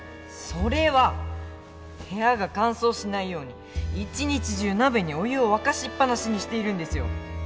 それは部屋が乾燥しないように一日中鍋にお湯を沸かしっ放しにしているんですよ。